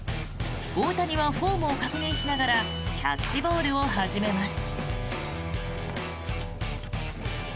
大谷はフォームを確認しながらキャッチボールを始めます。